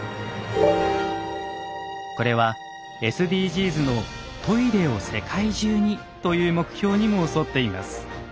これはＳＤＧｓの「トイレを世界中に」という目標にも沿っています。